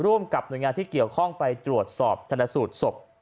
ร่วมกับหน่วยงานที่เกี่ยวข้องไปตรวจสอบชนสูตรศพ